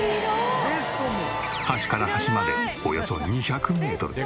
端から端までおよそ２００メートル。